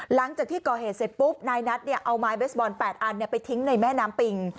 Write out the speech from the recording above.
หลังจากที่ก่อเหตุเสร็จปุ๊บนายนัทเอาไม้เบสบอล๘อันไปทิ้งในแม่น้ำปิง